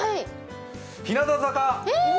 日向坂。